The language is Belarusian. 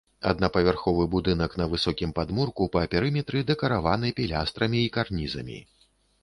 Аднапавярховы будынак на высокім падмурку, па перыметры дэкараваны пілястрамі і карнізамі.